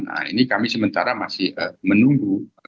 nah ini kami sementara masih menunggu